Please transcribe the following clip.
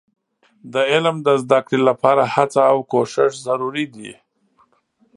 د علم د زده کړې لپاره هڅه او کوښښ ضروري دي.